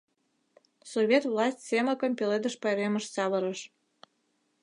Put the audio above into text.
Совет власть Семыкым Пеледыш пайремыш савырыш.